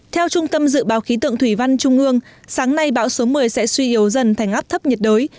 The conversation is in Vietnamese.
theo trung tâm dự báo khí tượng thủy văn trung ương sáng nay bão số một mươi sẽ suy yếu dần thành áp thấp nhiệt đới